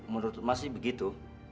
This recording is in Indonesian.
menurut mas sih begitu